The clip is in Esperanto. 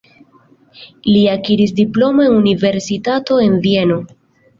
Li akiris diplomon en universitato en Vieno.